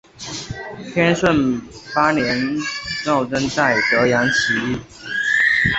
天顺八年赵铎在德阳起义。